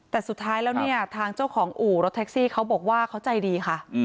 แต่สุดท้ายแล้วเนี่ยทางเจ้าของอู่รถแท็กซี่เขาบอกว่าเขาใจดีค่ะ